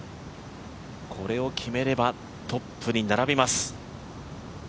これを決めれば、トップに並びます